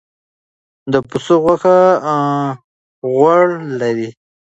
د پسه غوښه غوړ لري.